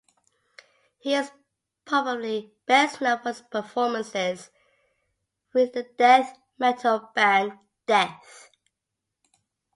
He is probably best known for his performances with the death metal band Death.